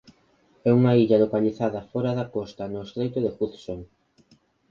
É unha illa localizada fora da costa no estreito de Hudson.